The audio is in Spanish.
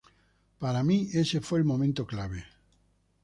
Para mí ese fue el momento clave".